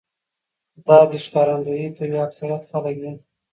دا دې ښکارنديي کوي اکثريت خلک يې